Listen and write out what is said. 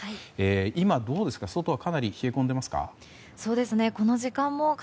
今、どうですか外はかなり冷え込んでいますか。